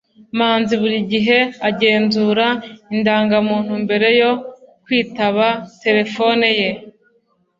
manzi buri gihe agenzura indangamuntu mbere yo kwitaba terefone ye